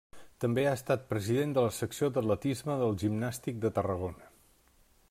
També ha estat president de la secció d'atletisme del Gimnàstic de Tarragona.